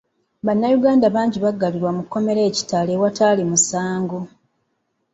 Bannayuganda bangi baggalirwa mu kkomera e Kitalya awatali musango.